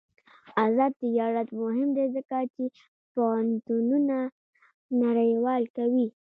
آزاد تجارت مهم دی ځکه چې پوهنتونونه نړیوال کوي.